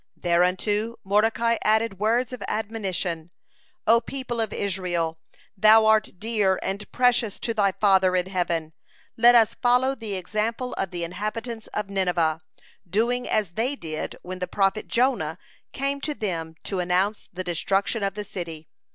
Thereunto Mordecai added words of admonition: "O people of Israel, thou art dear and precious to thy Father in heaven, let us follow the example of the inhabitants of Nineveh, doing as they did when the prophet Jonah came to them to announce the destruction of the city.